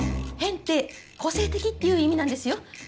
変って個性的っていう意味なんですよ。